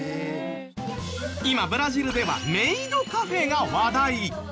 今ブラジルではメイドカフェが話題。